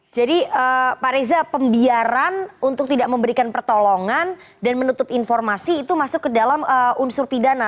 jadi pak reza pembiaran untuk tidak memberikan pertolongan dan menutup informasi itu masuk ke dalam unsur pidana